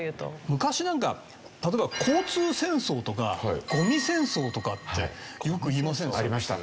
昔なんか例えば交通戦争とかゴミ戦争とかってよく言いませんでした？